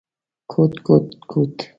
کوټ کوټ کوت…